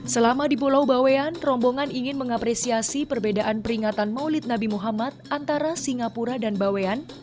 selama di pulau bawean rombongan ingin mengapresiasi perbedaan peringatan maulid nabi muhammad antara singapura dan bawean